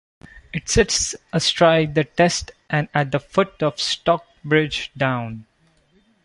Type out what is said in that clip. It sits astride the Test and at the foot of Stockbridge Down.